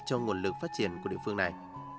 cho nguồn lực phát triển của địa phương này